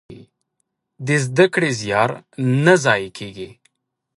د زده کړې زيار نه ضايع کېږي.